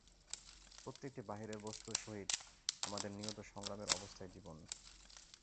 প্রত্যেকটি বাহিরের বস্তুর সহিত আমাদের নিয়ত সংগ্রামের অবস্থাই জীবন।